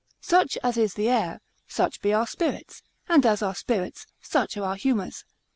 Such as is the air, such be our spirits; and as our spirits, such are our humours.